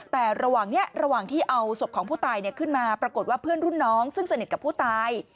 แต่ระหว่างนี้ระหว่างที่เอาศพของผู้ตายขึ้นมาปรากฏว่าเพื่อนรุ่นน้องซึ่งสนิทกับผู้ตาย